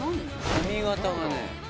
髪形がね。